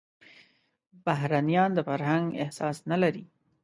بهرنيان د فرهنګ احساس نه لري.